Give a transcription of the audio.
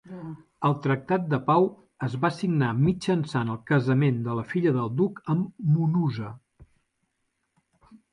El tractat de pau es va signar mitjançant el casament de la filla del duc amb Munuza.